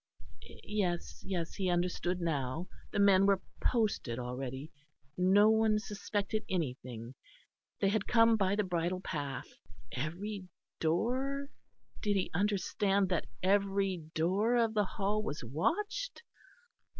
Yes, yes, he understood now; the men were posted already. No one suspected anything; they had come by the bridle path. Every door? Did he understand that every door of the Hall was watched?